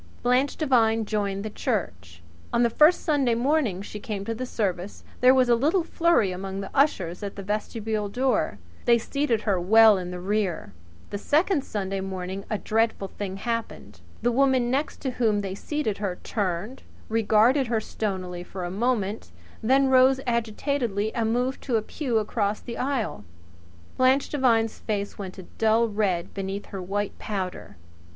Blanche Devine joined the church. On the first Sunday morning she came to the service there was a little flurry among the ushers at the vestibule door. They seated her well in the rear. The second Sunday morning a dreadful thing happened. The woman next to whom they seated her turned, regarded her stonily for a moment, then rose agitatedly and moved to a pew across the aisle. Blanche Devine's face went a dull red beneath her white powder.